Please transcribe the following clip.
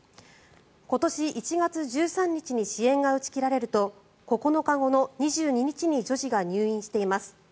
今年１月１３日に支援が打ち切られると９日後の２２日に女児が入院しています。